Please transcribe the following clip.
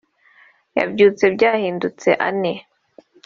yabyutse byahindutse ane